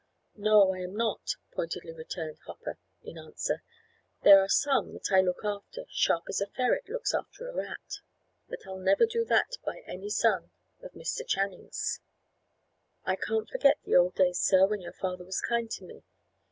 "No, I am not," pointedly returned Hopper, in answer. "There are some that I look after, sharp as a ferret looks after a rat, but I'll never do that by any son of Mr. Channing's. I can't forget the old days, sir, when your father was kind to me.